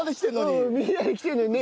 みんなで来てるのにね。